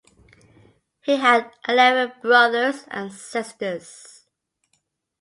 He had eleven brothers and sisters.